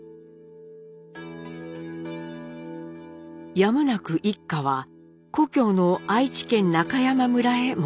やむなく一家は故郷の愛知県中山村へ戻ります。